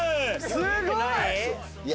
すごい！